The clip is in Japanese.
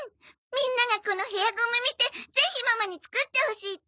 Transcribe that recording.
みんながこのヘアゴム見てぜひママに作ってほしいって。